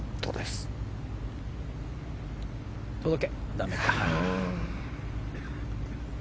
だめか。